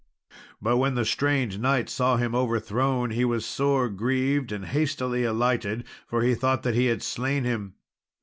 But when the strange knight saw him overthrown, he was sore grieved, and hastily alighted, for he thought that he had slain him.